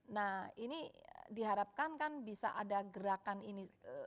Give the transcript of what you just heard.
nah ini diharapkan kan bisa ada gerakan ini